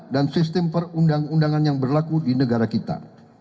dan sistem perundang undangan yang berlaku di negara kita